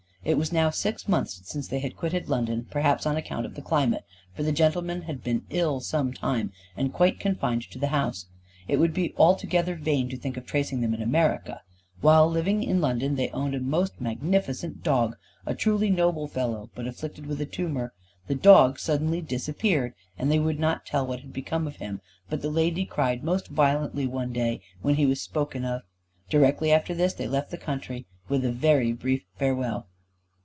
It was now six months since they had quitted London, perhaps on account of the climate, for the gentleman had been ill some time, and quite confined to the house. It would be altogether vain to think of tracing them in America. While living in London they owned a most magnificent dog, a truly noble fellow but afflicted with a tumour. This dog suddenly disappeared, and they would not tell what had become of him, but the lady cried most violently one day when he was spoken of. Directly after this they left the country, with a very brief farewell.